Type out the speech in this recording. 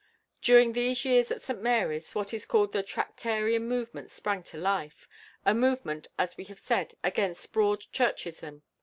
'" During these years at St Mary's what is called the Tractarian movement sprang to life a movement, as we have said, against Broad Churchism.